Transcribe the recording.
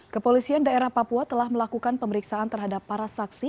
kepolisian daerah papua telah melakukan pemeriksaan terhadap para saksi